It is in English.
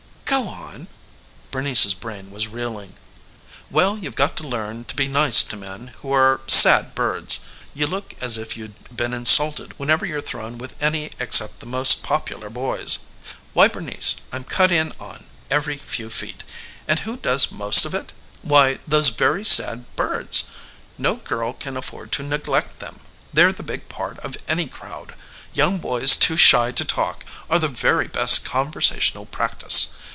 "Go on." Bernice's brain was reeling. "Well, you've got to learn to be nice to men who are sad birds. You look as if you'd been insulted whenever you're thrown with any except the most popular boys. Why, Bernice, I'm cut in on every few feet and who does most of it? Why, those very sad birds. No girl can afford to neglect them. They're the big part of any crowd. Young boys too shy to talk are the very best conversational practice.